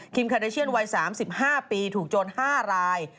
คาเดเชียนวัย๓๕ปีถูกโจร๕ราย